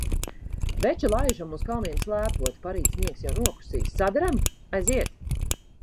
Veči, laižam uz kalniem slēpot, parīt sniegs jau nokusīs! Saderam? Aiziet!